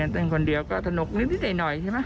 เต้นคนเดียวก็ถนกนิดหน่อยใช่ไหม